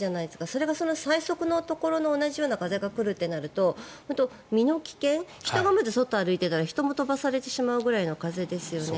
それが最速のところの同じような風が来るとなると身の危険人がまず外を歩いていたら人も飛ばされてしまうぐらいの風ですよね。